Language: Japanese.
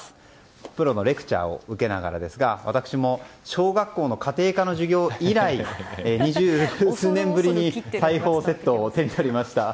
プロのレクチャーを受けながらですが私も小学校の家庭科の授業以来二十数年ぶりに裁縫セットを手に取りました。